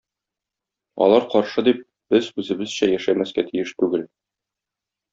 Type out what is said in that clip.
Алар каршы дип без үзебезчә яшәмәскә тиеш түгел.